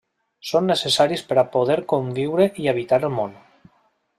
Són necessaris per a poder a conviure i habitar el món.